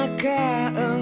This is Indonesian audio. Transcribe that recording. aku tak tahu